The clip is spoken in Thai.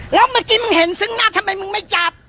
แล้วเมื่อกี้มึงเห็นซึ่งหน้าทำไมมึงไม่จับ